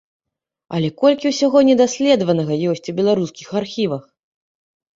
Але колькі ўсяго недаследаванага ёсць у беларускіх архівах!